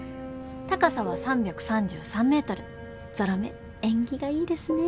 高さは３３３ｍぞろ目縁起がいいですね。